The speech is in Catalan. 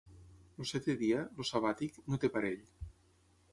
El setè dia, el sabàtic, no té parell.